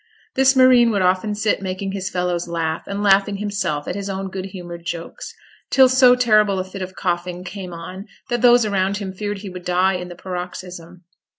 This marine would often sit making his fellows laugh, and laughing himself at his own good humoured jokes, till so terrible a fit of coughing came on that those around him feared he would die in the paroxysm.